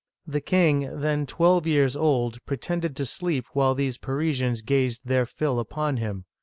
The king, then twelve years old, pretended sleep while these Parisians gazed their fill upon him.